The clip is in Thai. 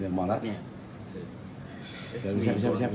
ส่วนสุดท้ายส่วนสุดท้าย